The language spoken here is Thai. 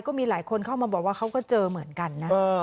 ก็มีหลายคนเข้ามาบอกว่าเขาก็เจอเหมือนกันนะ